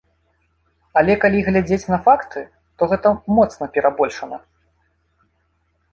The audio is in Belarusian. Але калі глядзець на факты, то гэта моцна перабольшана.